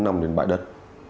bốn năm đến bãi đất